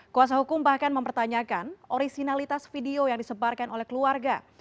kuasa hukum bahkan mempertanyakan originalitas video yang disebarkan oleh keluarga